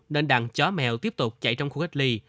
nên đằng chó mèo tiếp tục chạy trong khu cách ly